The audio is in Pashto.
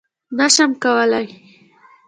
_نه شم کولای.